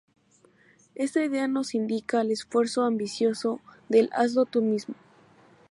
Está idea nos indica el esfuerzo ambicioso del Hazlo tú mismo.